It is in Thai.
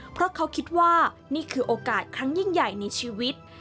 เพราะเขาคิดว่านี่คือโอกาสครั้งยิ่งใหญ่ในชีวิต